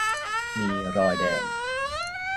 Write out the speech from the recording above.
มีรอยแดง